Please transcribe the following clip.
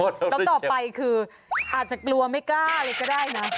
ต้องตอบไปคืออาจจะกลัวไม่กล้าอะไรก็ได้นะ